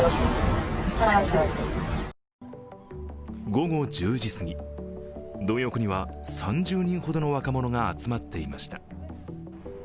午後１０時すぎ、ドン横には３０人ほどの若者が集まっていました。